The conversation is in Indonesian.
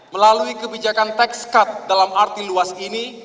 melalui kebijakan tax cut dalam arti luas ini